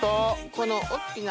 この大っきな。